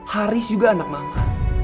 haris juga anak mama